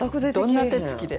どんな手つきで？